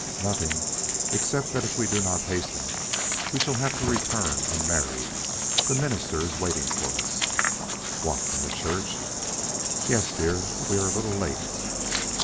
"Nothing, except that if we do not hasten we shall have to return unmarried. The minister is waiting for us." "What, in the church?" "Yes, dear. We are a little late."